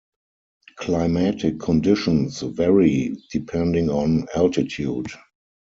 Climatic conditions vary depending on altitude.